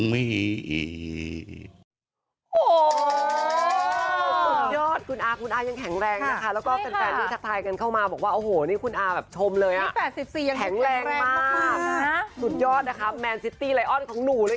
ไม่อึ้งไว้อีก